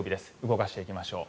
動かしていきましょう。